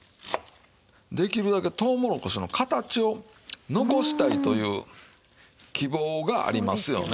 できるだけとうもろこしの形を残したいという希望がありますよね。